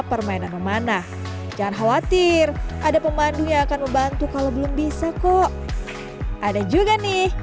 permainan memanah jangan khawatir ada pemandu yang akan membantu kalau belum bisa kok ada juga nih